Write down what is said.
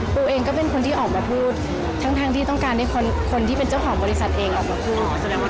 ปูเองก็เป็นคนที่ออกมาพูดทั้งที่ต้องการให้คนที่เป็นเจ้าของบริษัทเองออกมาพูด